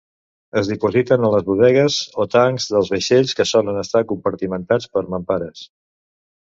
Es dipositen a les bodegues o tancs dels vaixells, que solen estar compartimentats per mampares.